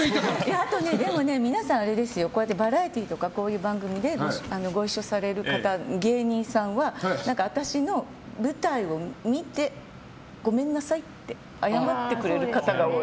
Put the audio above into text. あと皆さん、バラエティーとかこういう番組でご一緒される芸人さんは私の舞台を見てごめんなさいって謝ってくれる方が多い。